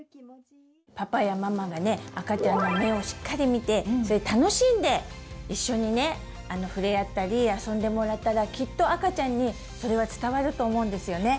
パパやママがね赤ちゃんの目をしっかり見て楽しんで一緒にねふれあったり遊んでもらったらきっと赤ちゃんにそれは伝わると思うんですよね！